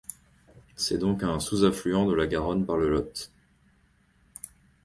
C'est donc un sous-affluent de la Garonne par le Lot.